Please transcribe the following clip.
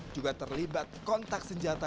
juga terlibat kontak senjata